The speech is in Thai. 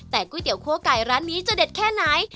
แต่ก๋วยเตี๋ยคั่วไก่ร้านนี้จะเด็ดแค่ไหน